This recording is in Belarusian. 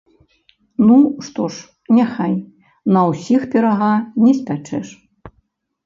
Ну, што ж, няхай, на ўсіх пірага не спячэш.